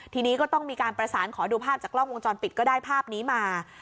ทีนี้ก็ต้องมีการประสานขอดูภาพจากกล้องวงจรปิดก็ได้ภาพนี้มา